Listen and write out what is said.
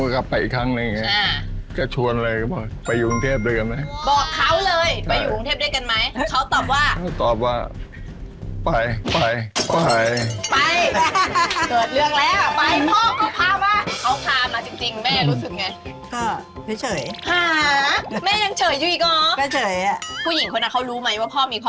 ข้าพามาจริงแม่รู้สึกอย่างไร